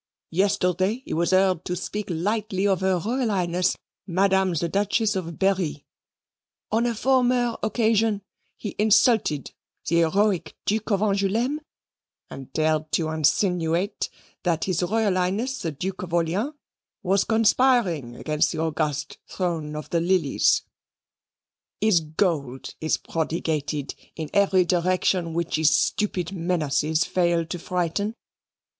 Yesterday he was heard to speak lightly of Her Royal Highness Madame the Duchess of Berri; on a former occasion he insulted the heroic Duke of Angouleme and dared to insinuate that H.R.H. the Duke of Orleans was conspiring against the august throne of the lilies. His gold is prodigated in every direction which his stupid menaces fail to frighten.